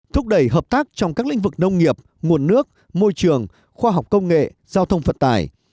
năm năm thúc đẩy hợp tác trong các lĩnh vực nông nghiệp nguồn nước môi trường khoa học công nghệ giao thông phận tài